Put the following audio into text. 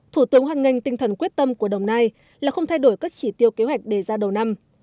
thủ tướng hoan nghênh tinh thần quyết tâm của đồng nai là không thay đổi các chỉ tiêu kế hoạch đề ra đầu năm